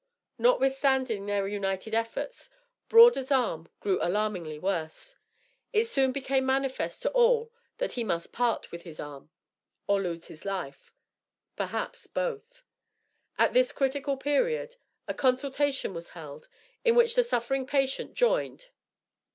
Notwithstanding their united efforts, Broader's arm grew alarmingly worse. It soon became manifest to all that he must part with his arm, or lose his life; perhaps both. At this critical period, a consultation was held, in which the suffering patient joined.